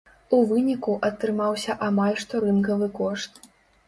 У выніку, атрымаўся амаль што рынкавы кошт.